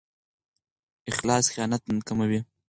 اخلاص خیانت کموي.